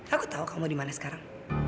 aku tahu kamu dimana sekarang